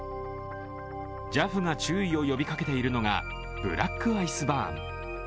ＪＡＦが注意を呼びかけているのがブラックアイスバーン。